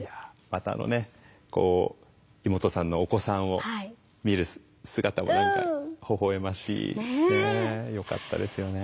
またあのねこう妹さんのお子さんを見る姿も何かほほ笑ましい。ねえよかったですよね。